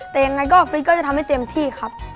แต่ยังไงก็ฟิกก็จะทำให้เต็มที่ครับ